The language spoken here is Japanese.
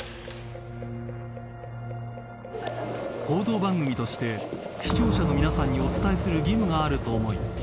［報道番組として視聴者の皆さんにお伝えする義務があると思い